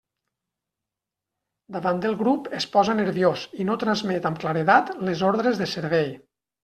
Davant del grup es posa nerviós i no transmet amb claredat les ordres de servei.